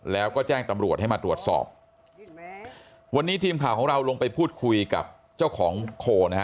แล้วก็แจ้งตำรวจให้มาตรวจสอบวันนี้ทีมข่าวของเราลงไปพูดคุยกับเจ้าของโคนะฮะ